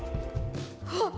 あっ！